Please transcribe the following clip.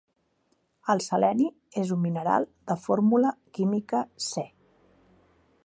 El seleni és un mineral de fórmula química Se.